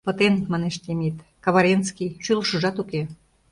— Пытен, — манеш Темит, — каваренский, шӱлышыжат уке.